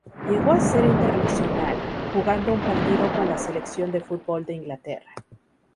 Llegó a ser internacional, jugando un partido con la Selección de fútbol de Inglaterra.